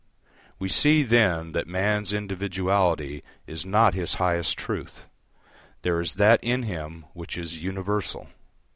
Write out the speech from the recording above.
We see then that man's individuality is not his highest truth; there is that in him which is universal.